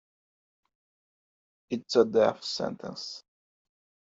It's a death sentence.